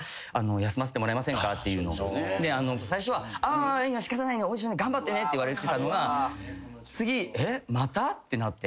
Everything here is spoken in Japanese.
最初は「いいよ仕方ないねオーディションね頑張ってね」って言われてたのが次「えっまた？」ってなって。